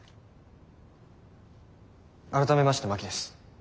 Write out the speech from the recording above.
改めまして真木です。